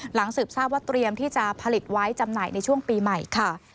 สืบทราบว่าเตรียมที่จะผลิตไว้จำหน่ายในช่วงปีใหม่ค่ะ